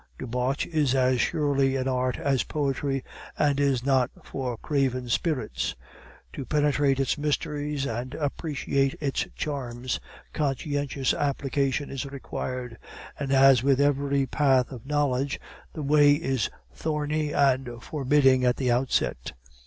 "Debauch is as surely an art as poetry, and is not for craven spirits. To penetrate its mysteries and appreciate its charms, conscientious application is required; and as with every path of knowledge, the way is thorny and forbidding at the outset.